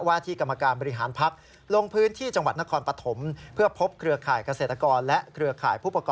รัฐมนตรีว่าการกระทรวงภาณิลวาทิเหลคาธิการภัคร